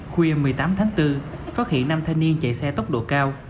khuya một mươi tám tháng bốn phát hiện năm thanh niên chạy xe tốc độ cao